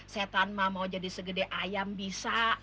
setan mah mau jadi segede ayam bisa